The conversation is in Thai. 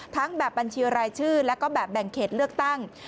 แบบบัญชีรายชื่อแล้วก็แบบแบ่งเขตเลือกตั้ง